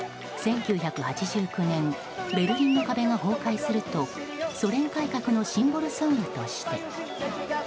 １９８９年ベルリンの壁が崩壊するとソ連改革のシンボルソングとして。